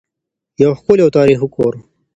یو ښکلی او تاریخي کور.